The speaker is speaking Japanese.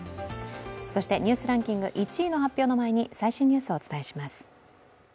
そして、「ニュースランキング」１位の発表の前に最新ニュースをお伝えします。